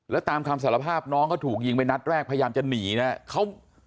แล้วตามคำสารภาพน้องเขาถูกยิงไปนัดแรกพยายามจะหนีนะครับ